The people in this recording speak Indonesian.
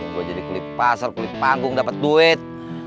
gua jadi klip pasar klip panggung dapet duit